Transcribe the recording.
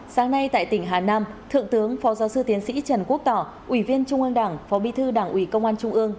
sáng nay tại tỉnh hà nam thượng tướng phó giáo sư tiến sĩ trần quốc tỏ ủy viên trung ương đảng phó bí thư đảng ủy công an trung ương